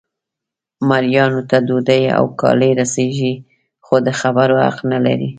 مریانو ته ډوډۍ او کالي رسیږي خو د خبرو حق نه لري.